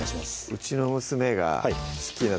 うちの娘が好きな